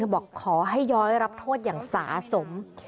บอกขอให้ย้อยรับโทษอย่างสาสม